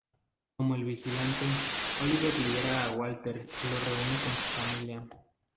Como el vigilante, Oliver libera a Walter y lo reúne con su familia.